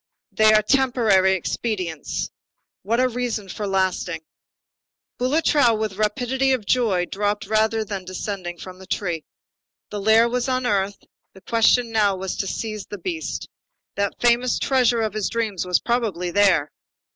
They are temporary expedients. What a reason for lasting! Boulatruelle, with the rapidity of joy, dropped rather than descended from the tree. The lair was unearthed, the question now was to seize the beast. That famous treasure of his dreams was probably there.